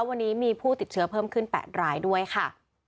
วันนี้มีผู้ติดเชื้อเพิ่มขึ้น๘รายด้วยค่ะ